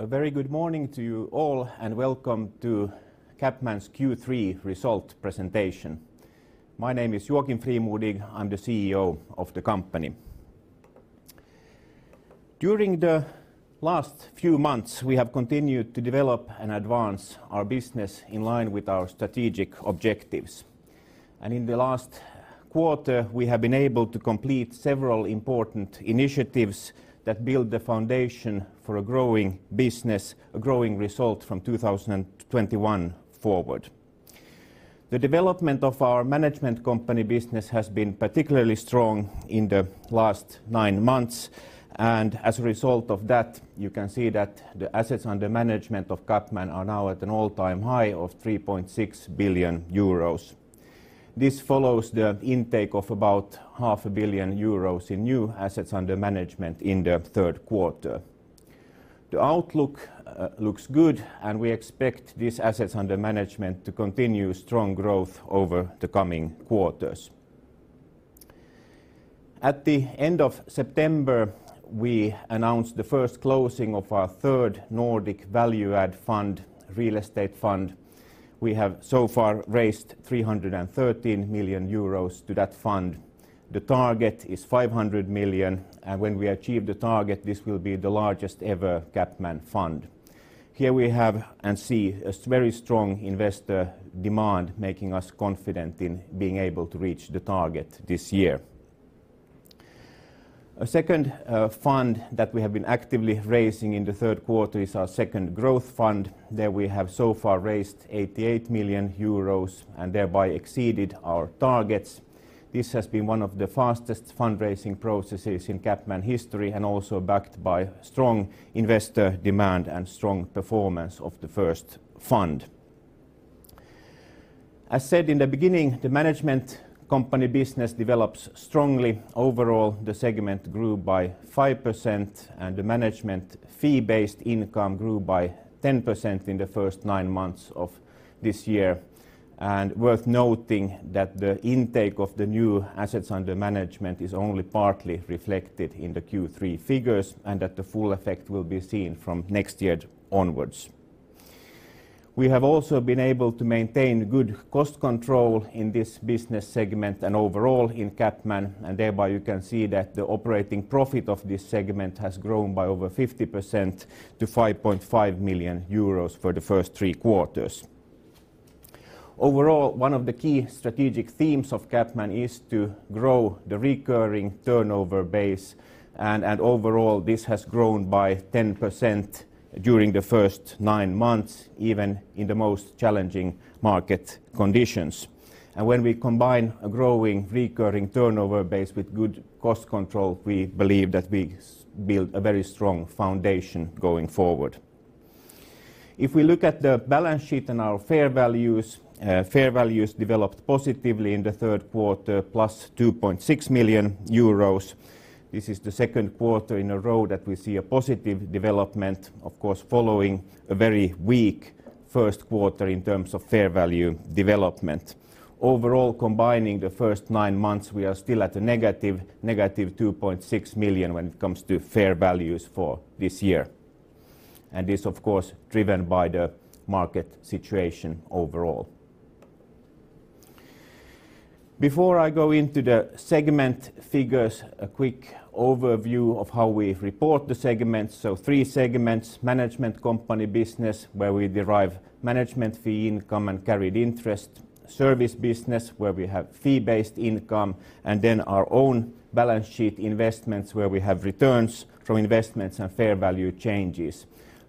A very good morning to you all, welcome to CapMan's Q3 Result Presentation. My name is Joakim Frimodig. I'm the CEO of the company. During the last few months, we have continued to develop and advance our business in line with our strategic objectives. In the last quarter, we have been able to complete several important initiatives that build the foundation for a growing business, a growing result from 2021 forward. The development of our management company business has been particularly strong in the last nine months, and as a result of that, you can see that the assets under management of CapMan are now at an all-time high of 3.6 billion euros. This follows the intake of about half a billion euros in new assets under management in the third quarter. The outlook looks good, and we expect these assets under management to continue strong growth over the coming quarters. At the end of September, we announced the first closing of our third Nordic value-add fund, real estate fund. We have so far raised 313 million euros to that fund. The target is 500 million, and when we achieve the target, this will be the largest ever CapMan fund. Here we have and see a very strong investor demand, making us confident in being able to reach the target this year. A second fund that we have been actively raising in the third quarter is our second Growth Fund. There we have so far raised 88 million euros and thereby exceeded our targets. This has been one of the fastest fundraising processes in CapMan history and also backed by strong investor demand and strong performance of the first fund. As said in the beginning, the management company business develops strongly. Overall, the segment grew by 5% and the management fee-based income grew by 10% in the first nine months of this year. Worth noting that the intake of the new assets under management is only partly reflected in the Q3 figures, and that the full effect will be seen from next year onwards. We have also been able to maintain good cost control in this business segment and overall in CapMan, and thereby you can see that the operating profit of this segment has grown by over 50% to 5.5 million euros for the first three quarters. Overall, one of the key strategic themes of CapMan is to grow the recurring turnover base, and overall, this has grown by 10% during the first nine months, even in the most challenging market conditions. When we combine a growing recurring turnover base with good cost control, we believe that we build a very strong foundation going forward. If we look at the balance sheet and our fair values, fair values developed positively in the third quarter, +2.6 million euros. This is the second quarter in a row that we see a positive development, of course, following a very weak first quarter in terms of fair value development. Overall, combining the first nine months, we are still at a -2.6 million when it comes to fair values for this year. This, of course, driven by the market situation overall. Before I go into the segment figures, a quick overview of how we report the segments. Three segments, management company business, where we derive management fee income and carried interest, service business, where we have fee-based income, and then our own balance sheet investments, where we have returns from investments and fair value changes.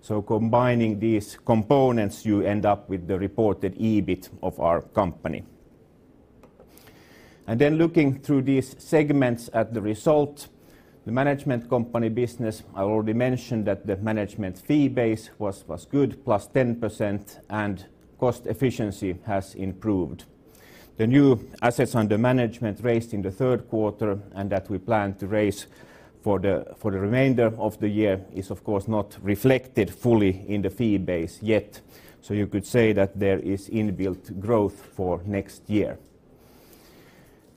Combining these components, you end up with the reported EBIT of our company. Looking through these segments at the result, the management company business, I already mentioned that the management fee base was good, +10%, and cost efficiency has improved. The new assets under management raised in the third quarter and that we plan to raise for the remainder of the year is, of course, not reflected fully in the fee base yet. You could say that there is inbuilt growth for next year.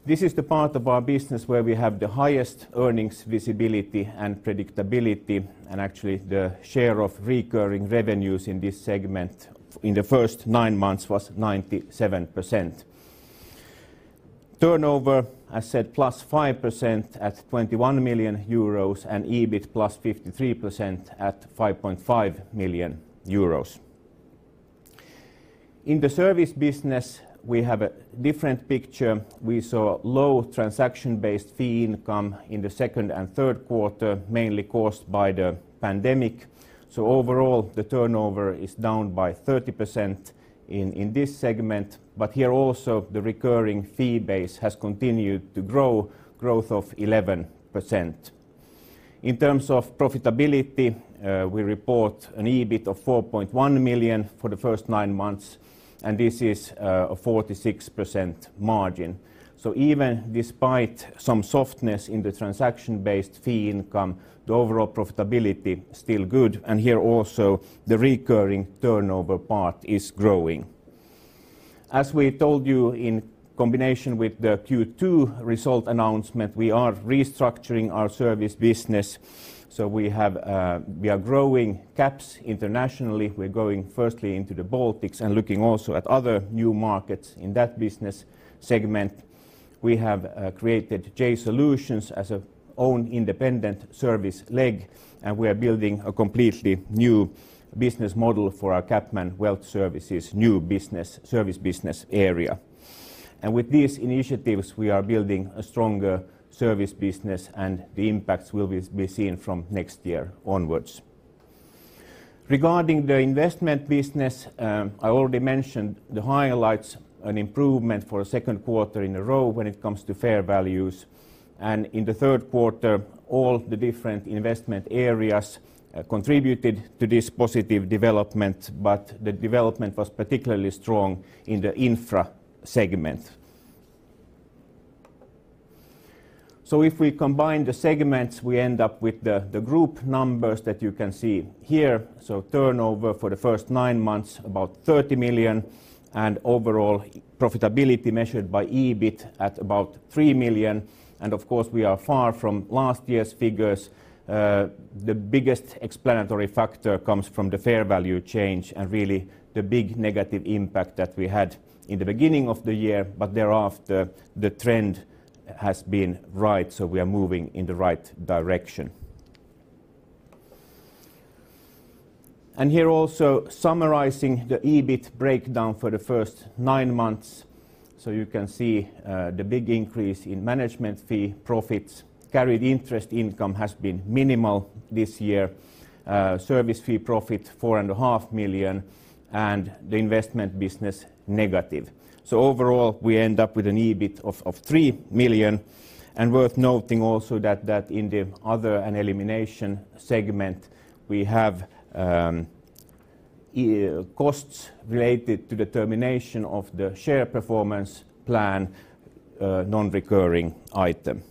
This is the part of our business where we have the highest earnings visibility and predictability. Actually, the share of recurring revenues in this segment in the first nine months was 97%. Turnover, I said, +5% at 21 million euros and EBIT +53% at 5.5 million euros. In the service business, we have a different picture. We saw low transaction-based fee income in the second and third quarter, mainly caused by the pandemic. Overall, the turnover is down by 30% in this segment. Here also, the recurring fee base has continued to grow, growth of 11%. In terms of profitability, we report an EBIT of 4.1 million for the first nine months. This is a 46% margin. Even despite some softness in the transaction-based fee income, the overall profitability still good, and here also the recurring turnover part is growing. As we told you in combination with the Q2 result announcement, we are restructuring our service business. We are growing CaPS internationally. We're going firstly into the Baltics and looking also at other new markets in that business segment. We have created JAY Solutions as an own independent service leg, and we are building a completely new business model for our CapMan Wealth Services new service business area. With these initiatives, we are building a stronger service business and the impacts will be seen from next year onwards. Regarding the investment business, I already mentioned the highlights and improvement for a second quarter in a row when it comes to fair values. In the third quarter, all the different investment areas contributed to this positive development, but the development was particularly strong in the infra segment. If we combine the segments, we end up with the group numbers that you can see here. Turnover for the first nine months, about 30 million, and overall profitability measured by EBIT at about 3 million. Of course, we are far from last year's figures. The biggest explanatory factor comes from the fair value change and really the big negative impact that we had in the beginning of the year, but thereafter, the trend has been right, so we are moving in the right direction. Here also summarizing the EBIT breakdown for the first nine months. You can see the big increase in management fee profits. Carried interest income has been minimal this year. Service fee profit, four and a half million, the investment business negative. Overall, we end up with an EBIT of 3 million. Worth noting also that in the other and elimination segment, we have costs related to the termination of the share performance plan, non-recurring item.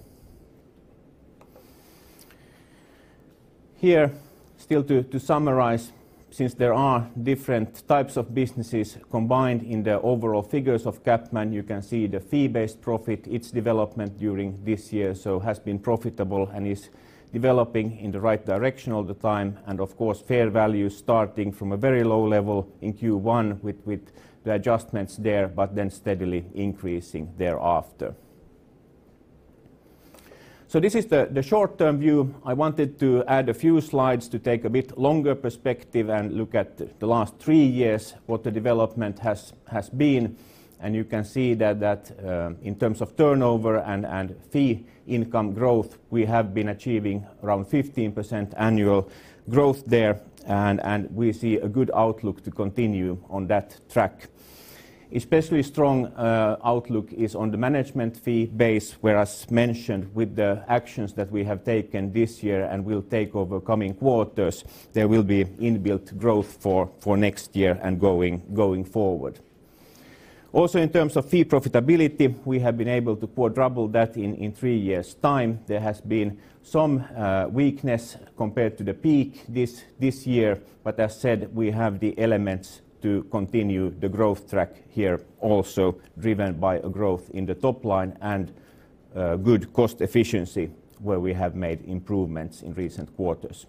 Here, still to summarize, since there are different types of businesses combined in the overall figures of CapMan, you can see the fee-based profit, its development during this year. It has been profitable and is developing in the right direction all the time, of course, fair value starting from a very low level in Q1 with the adjustments there, then steadily increasing thereafter. This is the short-term view. I wanted to add a few slides to take a bit longer perspective and look at the last three years, what the development has been. You can see that in terms of turnover and fee income growth, we have been achieving around 15% annual growth there. We see a good outlook to continue on that track. Especially strong outlook is on the management fee base, whereas mentioned with the actions that we have taken this year and will take over coming quarters, there will be inbuilt growth for next year and going forward. In terms of fee profitability, we have been able to quadruple that in three years' time. There has been some weakness compared to the peak this year, but as said, we have the elements to continue the growth track here, also driven by a growth in the top line and good cost efficiency where we have made improvements in recent quarters.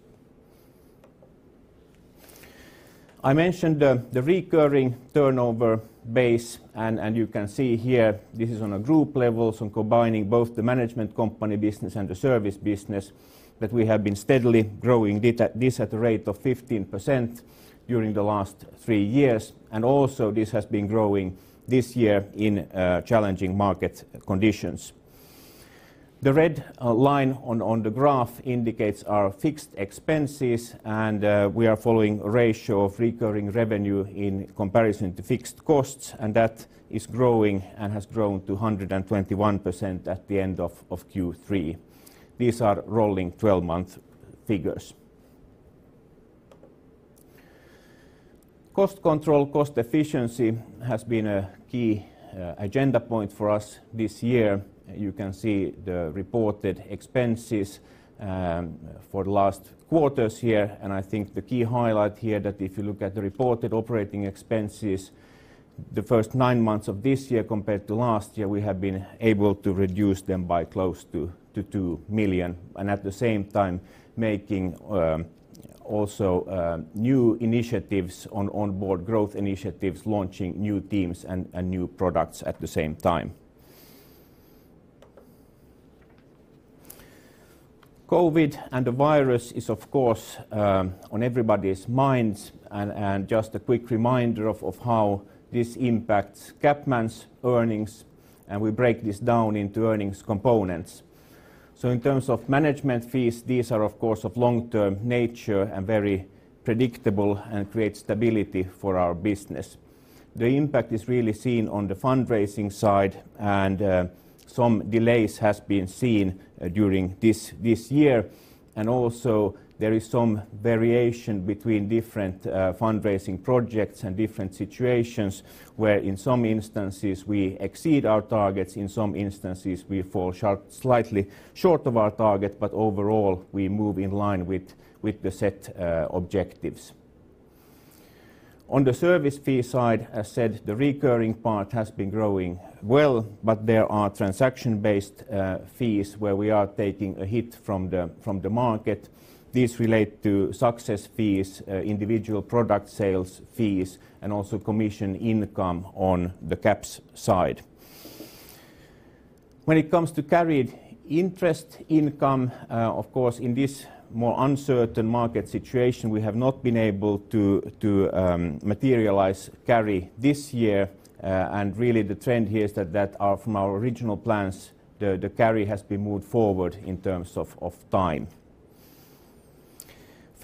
I mentioned the recurring turnover base, and you can see here this is on a group level, so combining both the management company business and the service business, that we have been steadily growing this at a rate of 15% during the last three years. Also this has been growing this year in challenging market conditions. The red line on the graph indicates our fixed expenses, and we are following a ratio of recurring revenue in comparison to fixed costs, and that is growing and has grown to 121% at the end of Q3. These are rolling 12-month figures. Cost control, cost efficiency has been a key agenda point for us this year. You can see the reported expenses for the last quarters here. I think the key highlight here that if you look at the reported operating expenses, the first nine months of this year compared to last year, we have been able to reduce them by close to 2 million and at the same time making also new initiatives on onboard growth initiatives, launching new teams and new products at the same time. COVID and the virus is, of course, on everybody's minds. Just a quick reminder of how this impacts CapMan's earnings. We break this down into earnings components. there is some variation between different fundraising projects and different situations where in some instances we exceed our targets, in some instances we fall slightly short of our target, but overall we move in line with the set objectives. On the service fee side, as said, the recurring part has been growing well, but there are transaction-based fees where we are taking a hit from the market. These relate to success fees, individual product sales fees, and also commission income on the CaPS side. When it comes to carried interest income, of course, in this more uncertain market situation, we have not been able to materialize carry this year and really the trend here is that from our original plans, the carry has been moved forward in terms of time.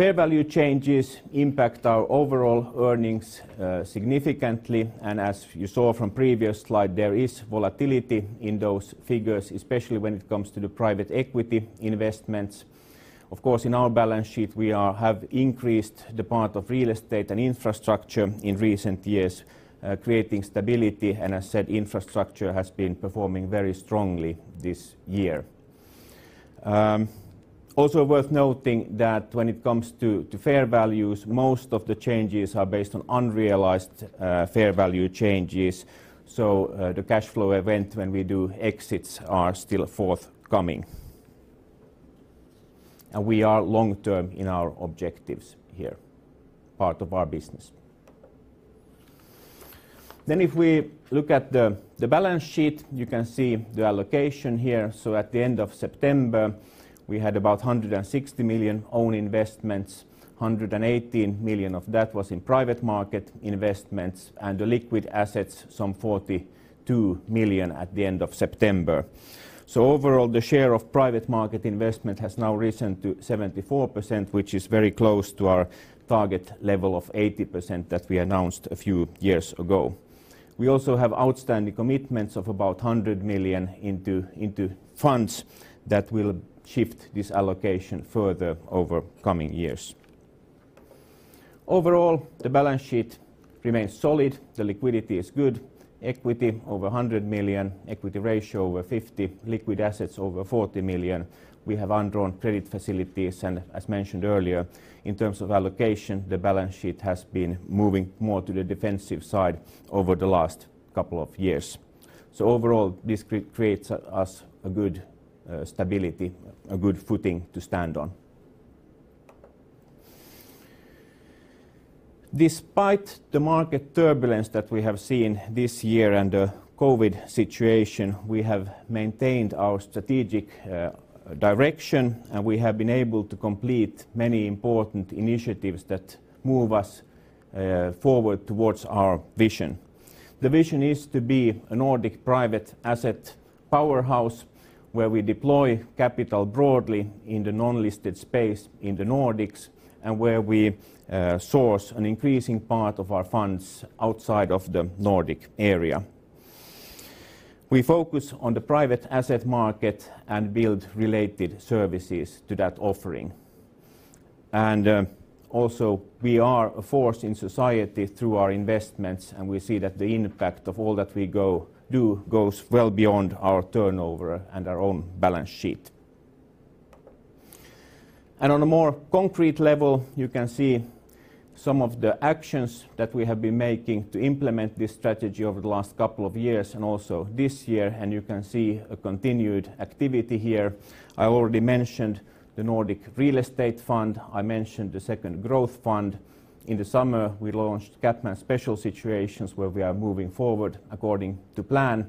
Fair value changes impact our overall earnings significantly and as you saw from previous slide, there is volatility in those figures, especially when it comes to the private equity investments. Of course, in our balance sheet, we have increased the part of real estate and infrastructure in recent years, creating stability and as said infrastructure has been performing very strongly this year. Also worth noting that when it comes to fair values, most of the changes are based on unrealized fair value changes. The cash flow event when we do exits are still forthcoming. We are long-term in our objectives here, part of our business. If we look at the balance sheet, you can see the allocation here. At the end of September, we had about 160 million own investments, 118 million of that was in private market investments, and the liquid assets some 42 million at the end of September. Overall, the share of private market investment has now risen to 74%, which is very close to our target level of 80% that we announced a few years ago. We also have outstanding commitments of about 100 million into funds that will shift this allocation further over coming years. Overall, the balance sheet remains solid. The liquidity is good. Equity over 100 million, equity ratio over 50%, liquid assets over 40 million. We have undrawn credit facilities and, as mentioned earlier, in terms of allocation, the balance sheet has been moving more to the defensive side over the last couple of years. Overall, this creates us a good stability, a good footing to stand on. Despite the market turbulence that we have seen this year and the COVID situation, we have maintained our strategic direction, and we have been able to complete many important initiatives that move us forward towards our vision. The vision is to be a Nordic private asset powerhouse where we deploy capital broadly in the non-listed space in the Nordics and where we source an increasing part of our funds outside of the Nordic area. We focus on the private asset market and build related services to that offering. Also, we are a force in society through our investments, and we see that the impact of all that we do goes well beyond our turnover and our own balance sheet. On a more concrete level, you can see some of the actions that we have been making to implement this strategy over the last couple of years and also this year, and you can see a continued activity here. I already mentioned the CapMan Nordic Real Estate III. I mentioned the CapMan Growth Equity Fund II. In the summer, we launched CapMan Special Situations, where we are moving forward according to plan.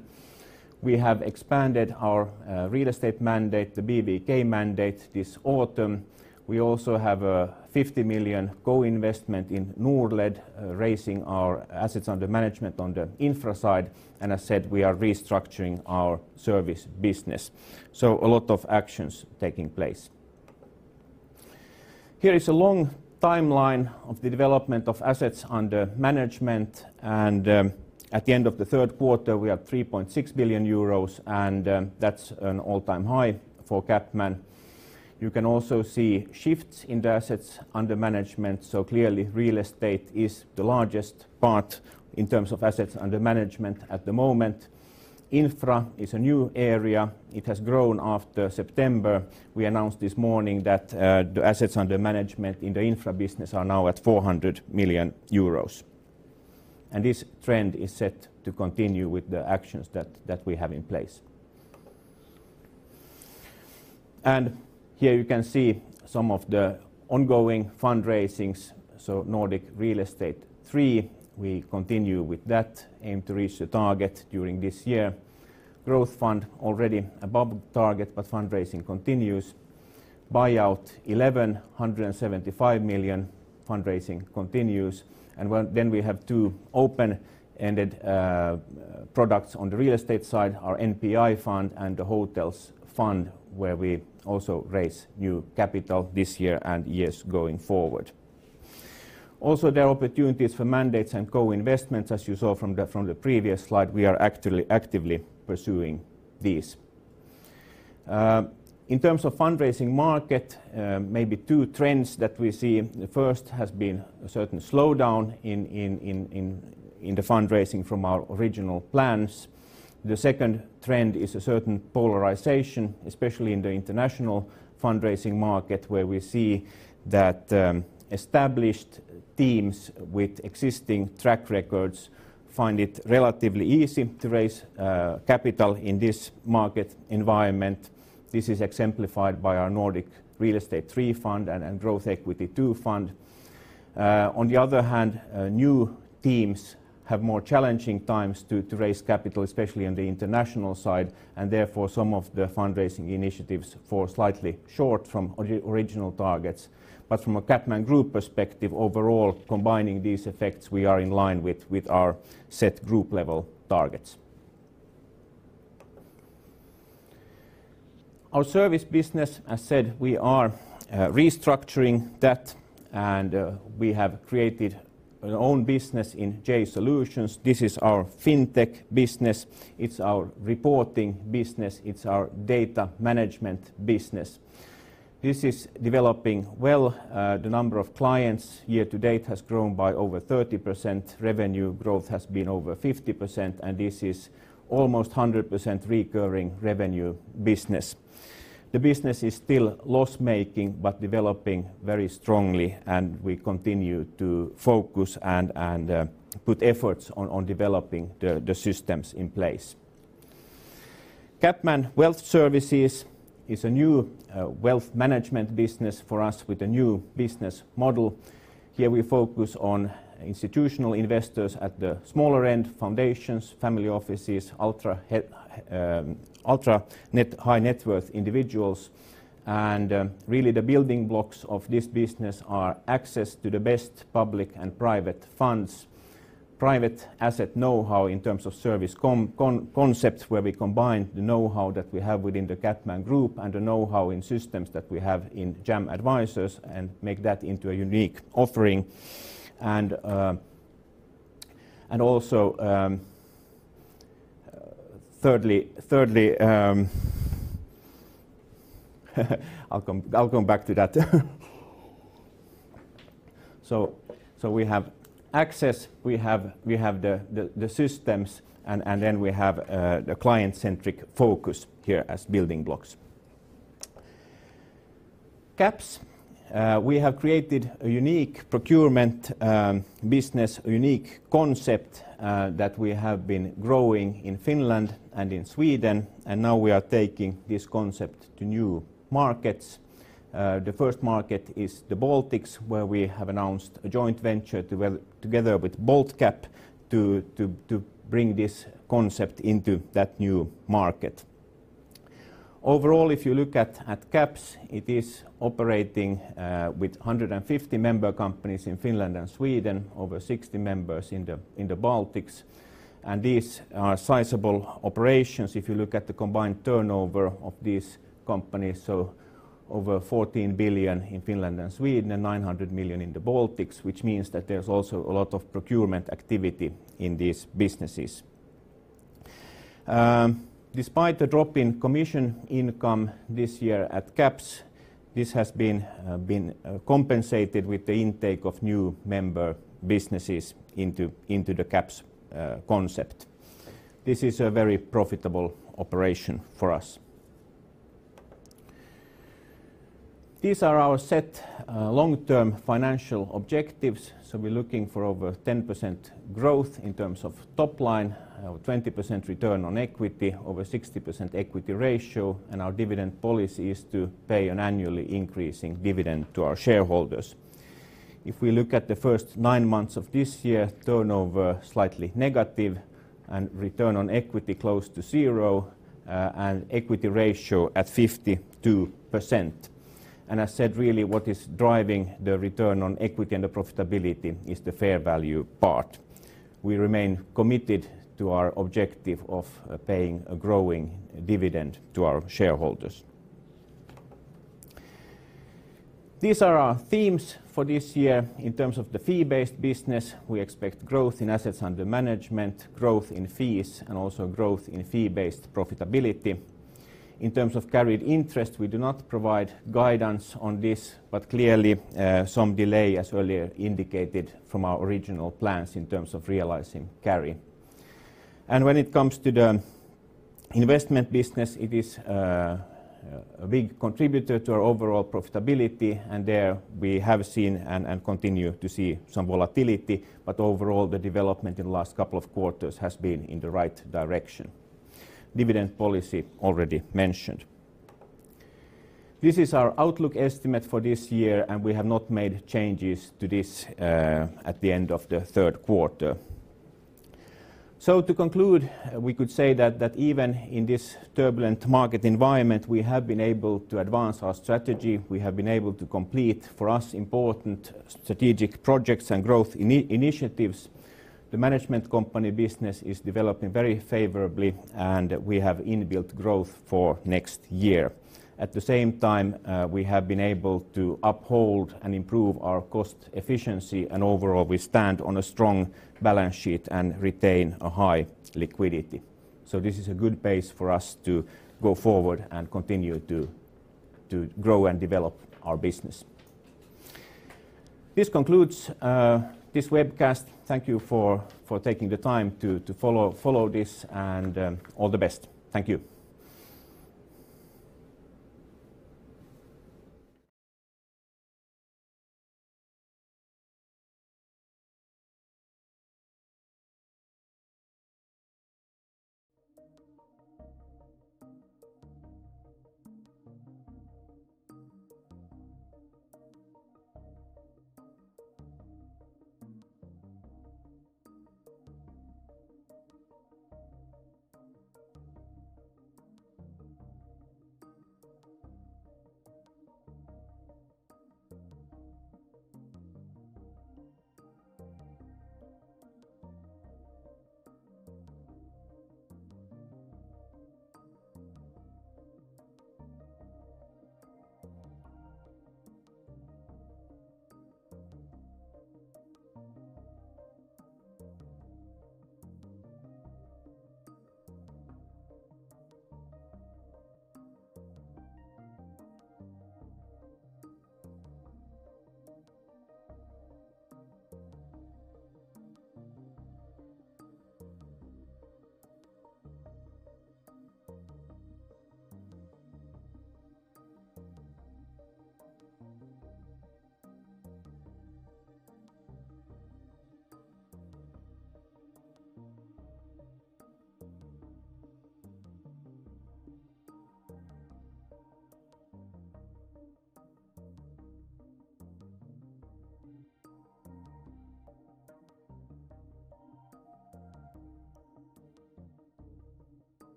We have expanded our real estate mandate, the BVK mandate, this autumn. We also have a 50 million co-investment in Norled, raising our assets under management on the infra side. As said, we are restructuring our service business. A lot of actions taking place. Here is a long timeline of the development of assets under management, and at the end of the third quarter we are 3.6 billion euros, and that's an all-time high for CapMan. You can also see shifts in the assets under management. Clearly real estate is the largest part in terms of assets under management at the moment. Infra is a new area. It has grown after September. We announced this morning that the assets under management in the infra business are now at 400 million euros. This trend is set to continue with the actions that we have in place. Here you can see some of the ongoing fundraisings. CapMan Nordic Real Estate III, we continue with that aim to reach the target during this year. CapMan Growth II Fund already above target. Fundraising continues. CapMan Buyout XI, 175 million. Fundraising continues. We have two open-ended products on the real estate side, our NPI Fund and the CapMan Hotels Fund II, where we also raise new capital this year and years going forward. Also, there are opportunities for mandates and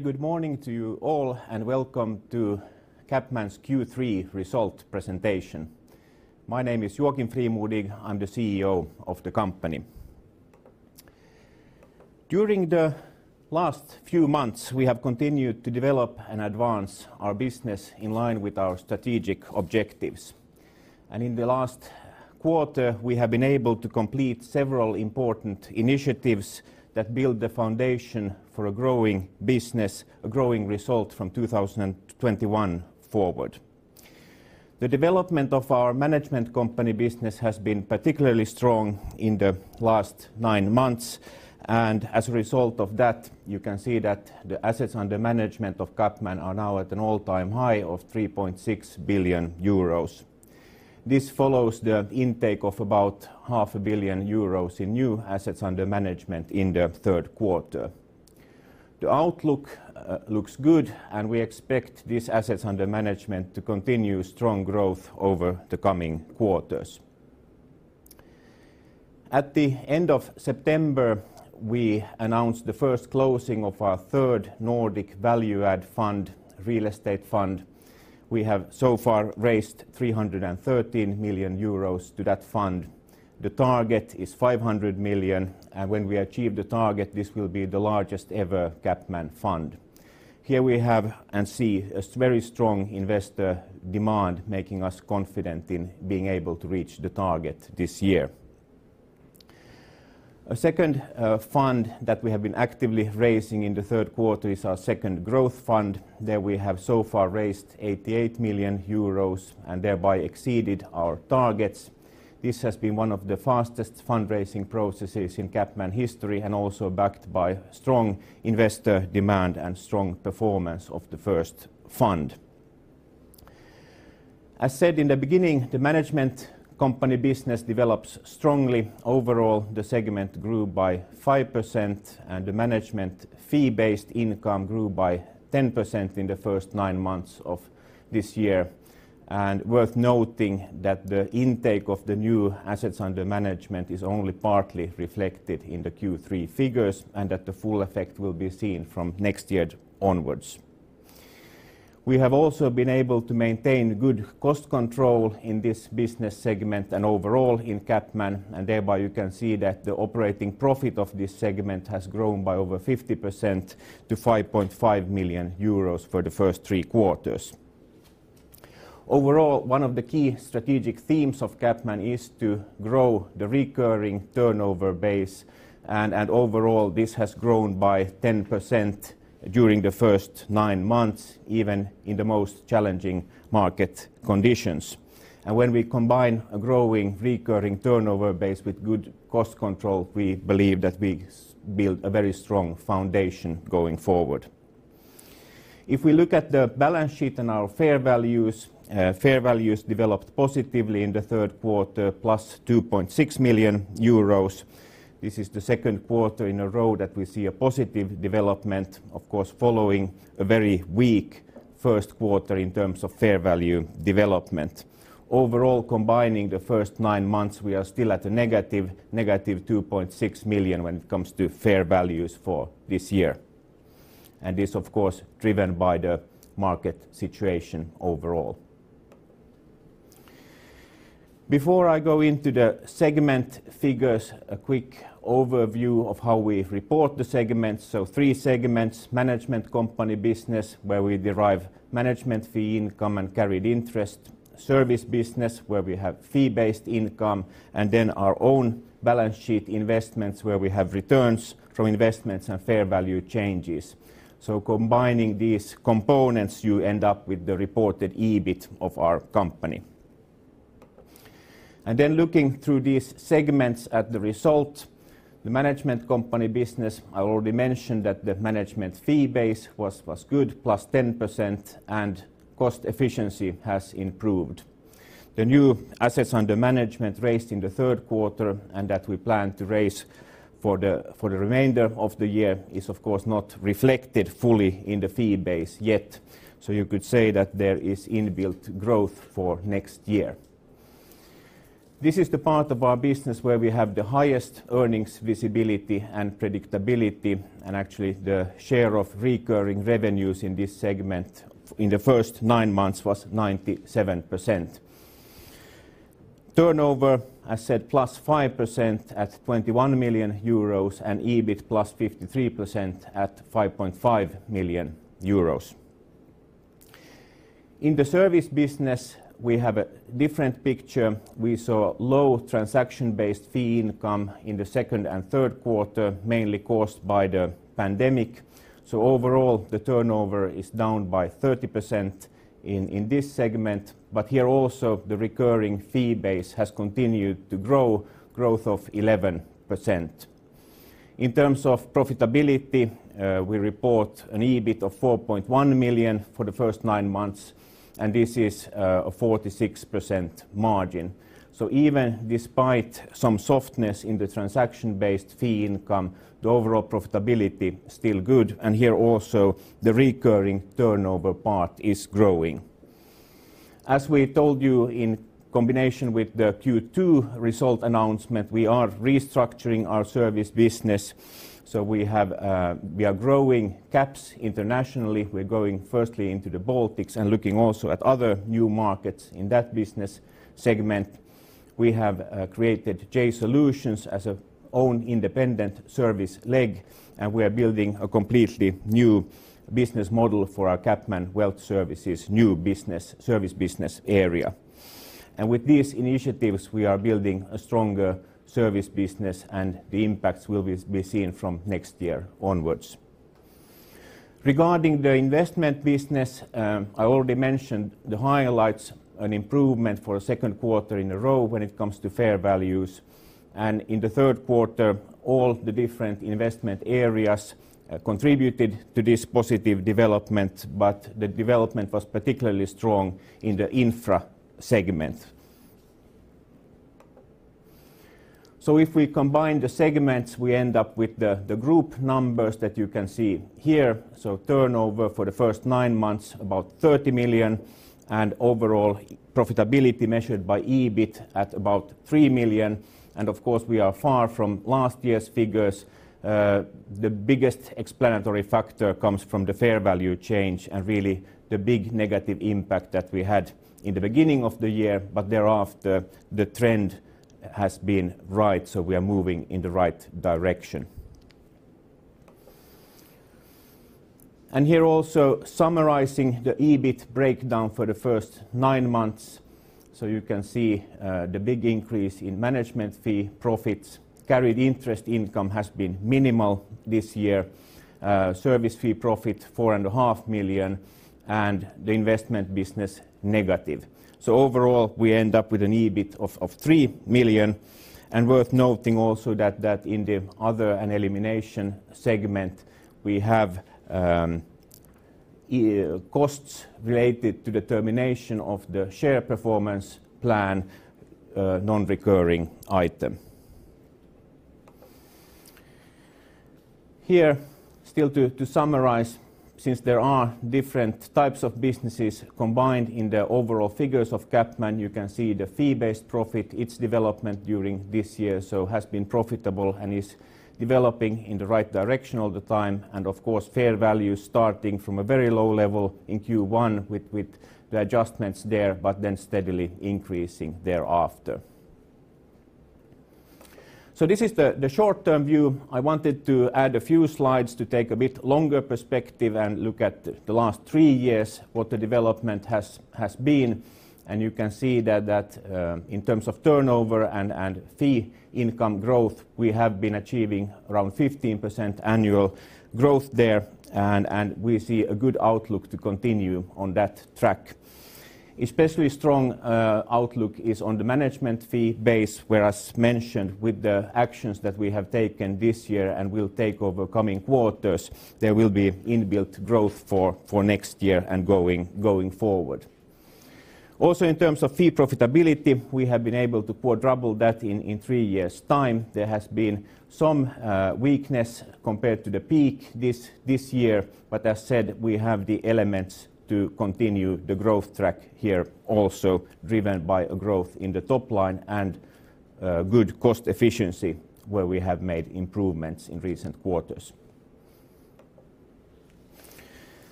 co-investments.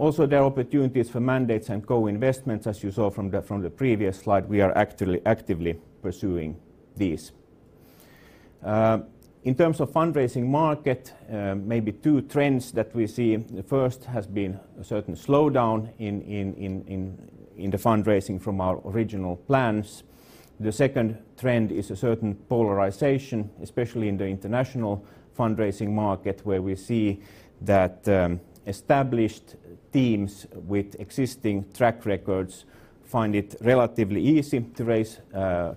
As you saw from the previous slide, we are actively pursuing these. In terms of fundraising market, maybe two trends that we see. The first has been a certain slowdown in the fundraising from our original plans. The second trend is a certain polarization, especially in the international fundraising market, where we see that established teams with existing track records find it relatively easy to raise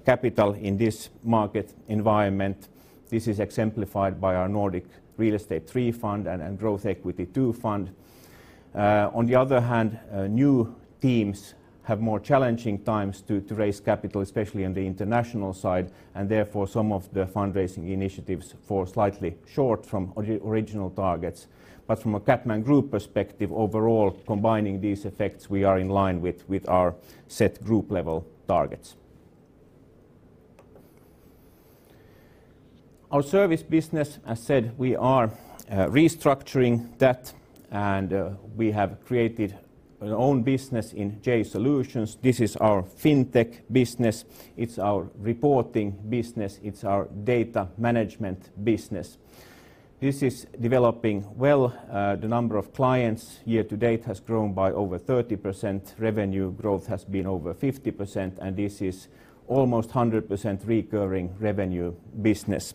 capital in this market environment. This is exemplified by our Nordic Real Estate III Fund and Growth Equity II Fund. New teams have more challenging times to raise capital, especially on the international side, and therefore, some of the fundraising initiatives fall slightly short from original targets. From a CapMan Group perspective, overall, combining these effects, we are in line with our set group-level targets. Our service business, as said, we are restructuring that, and we have created our own business in JAY Solutions. This is our fintech business. It's our reporting business. It's our data management business. This is developing well. The number of clients year-to-date has grown by over 30%, revenue growth has been over 50%, and this is almost 100% recurring revenue business.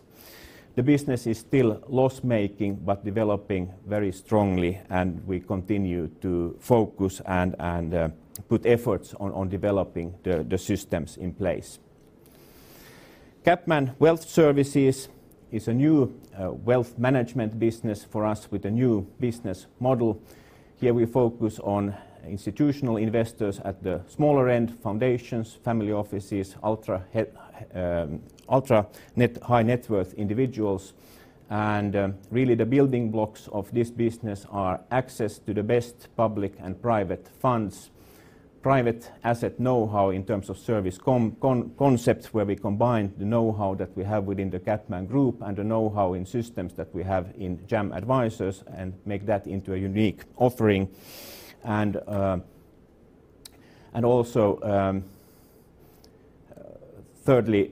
The business is still loss-making but developing very strongly, and we continue to focus and put efforts on developing the systems in place. CapMan Wealth Services is a new wealth management business for us with a new business model. Here we focus on institutional investors at the smaller end, foundations, family offices, ultra-high net worth individuals. Really the building blocks of this business are access to the best public and private funds, private asset know-how in terms of service concepts, where we combine the know-how that we have within the CapMan Group and the know-how in systems that we have in JAM Advisors and make that into a unique offering. Also, thirdly,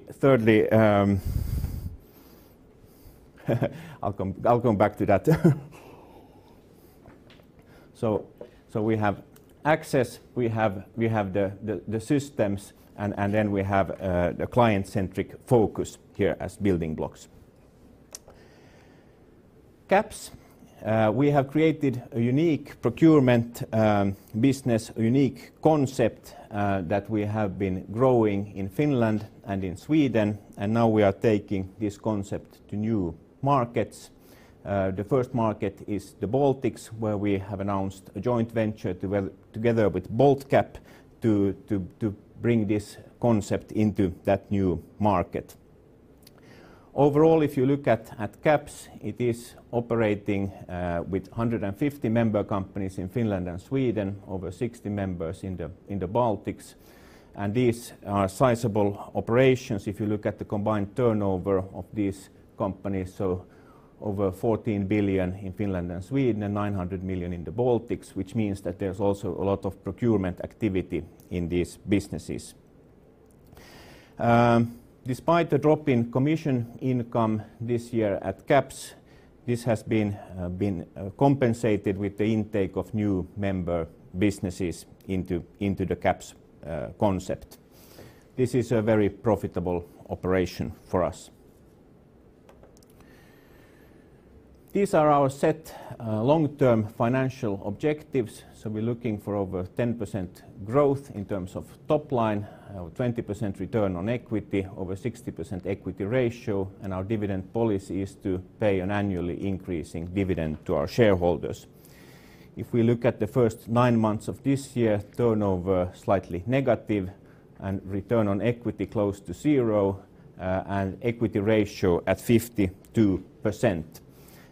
I'll come back to that. We have access, we have the systems, and then we have the client-centric focus here as building blocks. CaPS. We have created a unique procurement business, a unique concept that we have been growing in Finland and in Sweden, and now we are taking this concept to new markets. The first market is the Baltics, where we have announced a joint venture together with BaltCap to bring this concept into that new market. Overall, if you look at CaPS, it is operating with 150 member companies in Finland and Sweden, over 60 members in the Baltics. These are sizable operations if you look at the combined turnover of these companies, over 14 billion in Finland and Sweden and 900 million in the Baltics, which means that there's also a lot of procurement activity in these businesses. Despite the drop in commission income this year at CaPS, this has been compensated with the intake of new member businesses into the CaPS concept. This is a very profitable operation for us. These are our set long-term financial objectives. We're looking for over 10% growth in terms of top line, 20% return on equity, over 60% equity ratio, and our dividend policy is to pay an annually increasing dividend to our shareholders. If we look at the first nine months of this year, turnover slightly negative and return on equity close to zero, equity ratio at 52%.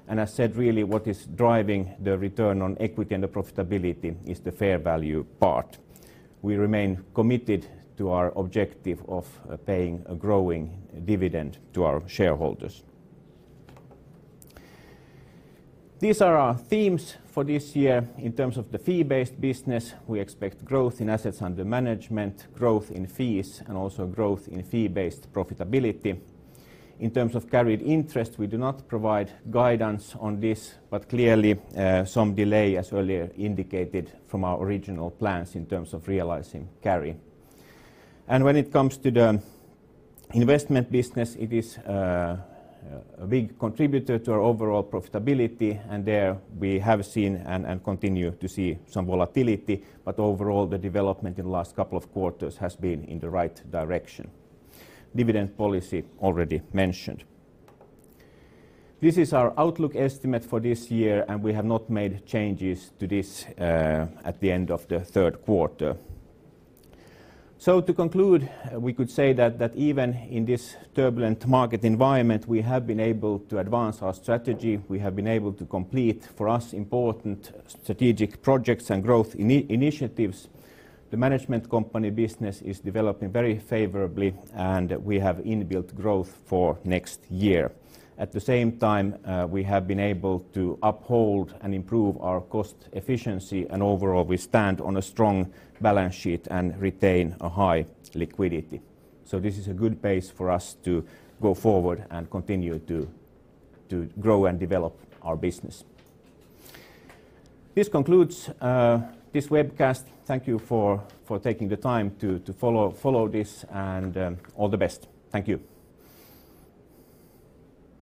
As said, really what is driving the return on equity and the profitability is the fair value part. We remain committed to our objective of paying a growing dividend to our shareholders. These are our themes for this year. In terms of the fee-based business, we expect growth in assets under management, growth in fees, and also growth in fee-based profitability. In terms of carried interest, we do not provide guidance on this, but clearly some delay as earlier indicated from our original plans in terms of realizing carry. When it comes to the investment business, it is a big contributor to our overall profitability and there we have seen and continue to see some volatility, but overall the development in the last couple of quarters has been in the right direction. Dividend policy already mentioned. This is our outlook estimate for this year, and we have not made changes to this at the end of the third quarter. To conclude, we could say that even in this turbulent market environment, we have been able to advance our strategy. We have been able to complete, for us, important strategic projects and growth initiatives. The management company business is developing very favorably, and we have inbuilt growth for next year. At the same time, we have been able to uphold and improve our cost efficiency, and overall, we stand on a strong balance sheet and retain a high liquidity. This is a good base for us to go forward and continue to grow and develop our business. This concludes this webcast. Thank you for taking the time to follow this and all the best. Thank you.